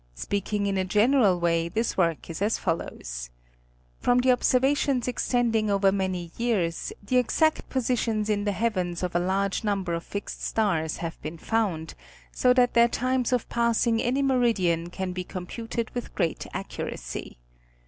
Speaking in a general way this work is as follows :—From obser vations extending over many years, the exact positions mm the heavens of a large number of fixed stars have been found, so that their times of passing any meridian can be computed with great accuracy.